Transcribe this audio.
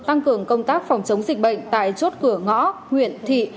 tăng cường công tác phòng chống dịch bệnh tại chốt cửa ngõ huyện thị